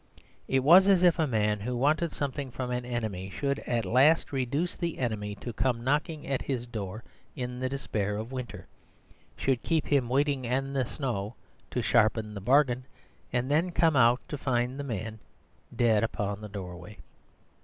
It was as if a man who wanted something from an enemy, should at last reduce the enemy to come knocking at his door in the despair of winter, should keep him waiting in the snow to sharpen the bargain; and then come out to find the man dead upon the doorstep.